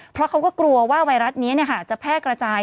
เพราะเขาก็กลัวว่าไวรัสนี้จะแพร่กระจาย